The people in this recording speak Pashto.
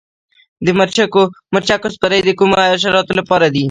د مرچکو سپری د کومو حشراتو لپاره دی؟